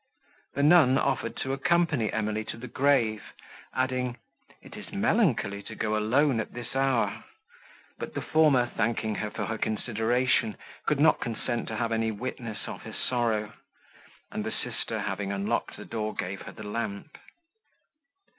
The nun offered to accompany Emily to the grave, adding, "It is melancholy to go alone at this hour;" but the former, thanking her for the consideration, could not consent to have any witness of her sorrow; and the sister, having unlocked the door, gave her the lamp.